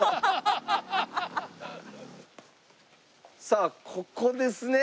さあここですね。